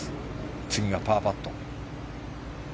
次がパーパット。